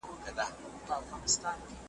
کارنامې د لویو خلکو د لرغونو انسانانو `